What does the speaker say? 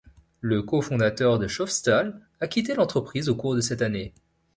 Le co-fondateur de Schoffstall a quitté l'entreprise au cours de cette année.